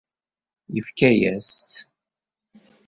Yefka-yas-tt.